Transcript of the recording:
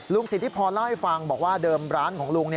สิทธิพรเล่าให้ฟังบอกว่าเดิมร้านของลุง